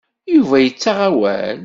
Yuba yettaɣ awal.